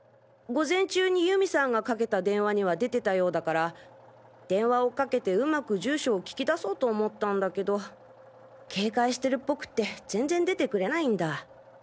午前中に由美さんがかけた電話には出てたようだから電話をかけてうまく住所を聞き出そうと思ったんだけど警戒してるっぽくて全然出てくれないんだ。